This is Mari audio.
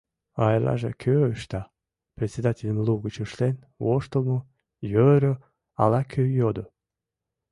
— А эрлаже кӧ ышта?! — председательым лугыч ыштен, воштылмо йӧрӧ ала-кӧ йодо.